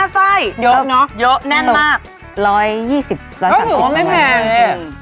๔๕ไส้ยกเนอะยกแน่นมาก๑๒๐๑๓๐บาทคือว่าไม่แพง